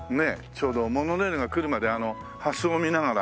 ちょうどモノレールが来るまであのハスを見ながら。